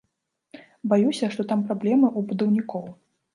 Баюся, што там праблемы, у будаўнікоў.